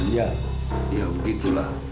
iya iya begitulah